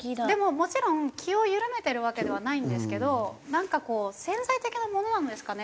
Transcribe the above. もちろん気を緩めてるわけではないんですけどなんかこう潜在的なものなんですかね？